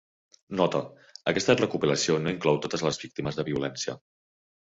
"Nota: aquesta recopilació no inclou totes les víctimes de violència.